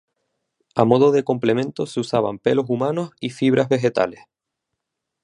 A modo de complemento, se usaban pelos humanos y fibras vegetales.